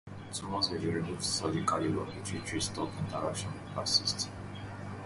Tumors may be removed surgically, but pituitary stalk interruption may persist.